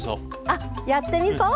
あっやってみそ！